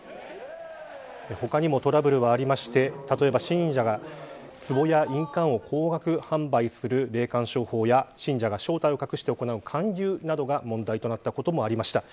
他にもトラブルはありまして例えば信者がつぼや印鑑を高額販売する霊感商法や信者が正体を隠して行う勧誘などが問題となったこともありました。